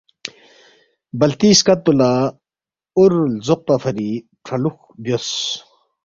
بلتی سکت پو لا وور لزوقپا فری فرالولکھ بیوس۔